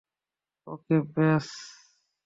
ওকে, ব্রেয।